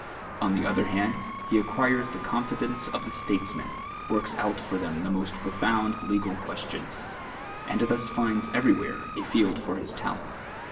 On the other hand, he ac(piircs the confidence of the statesmen, works out for them the most profound legal cpicstions, and thus finds everj'where a field for his tident.